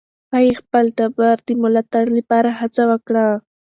هغه د خپل ټبر د ملاتړ لپاره هڅه وکړه.